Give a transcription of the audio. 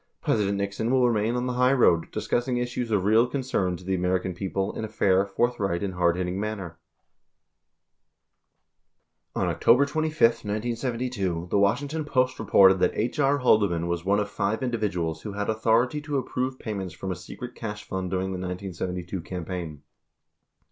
President Nixon will remain on the high road, discussing issues of real concern to the American people in a fair, forthright, and hardhitting manner .* On October 25, 1972, the Washington Post reported that H. R. Haldeman was one of five individuals who had authority to approve payments from a secret cash fund during the 1972 campaign.